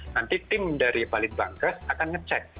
nanti tim dari lidbangkes akan ngecek